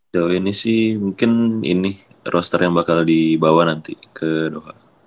jauh ini sih mungkin ini roster yang bakal dibawa nanti ke doa